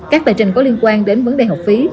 các tờ trình có liên quan đến vấn đề học phí